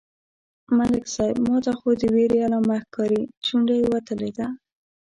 _ملک صيب! ماته خو د وېرې علامه ښکاري، شونډه يې وتلې ده.